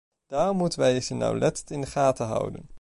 Daarom moeten wij ze nauwlettend in de gaten houden.